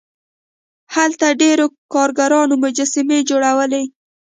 هلته ډیرو کارګرانو مجسمې جوړولې.